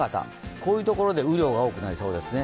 こういうところで雨量が多くなりそうですね。